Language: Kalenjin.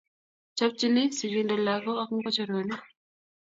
Chopchini sigindet lagok ak mogochoronik